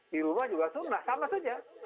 di rumah juga sunnah sama saja